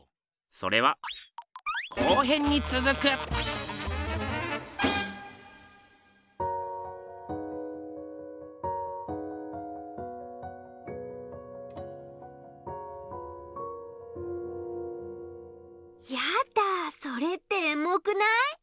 それはやだそれってエモくない？